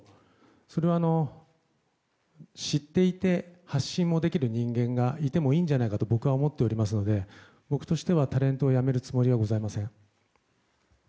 それを知っていて発信もできる人間がいてもいいんじゃないかと僕は思っておりますので僕としてはタレントを辞めるつもりはございません。